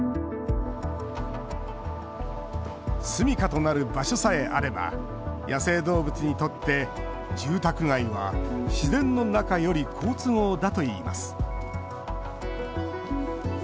住みかとなる場所さえあれば野生動物にとって住宅街は自然の中より好都合だといいます。